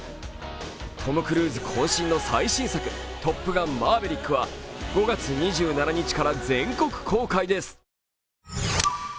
トム・クルーズこん身の最新作、「トップガンマーヴェリック」は５月２７日から全国公開です。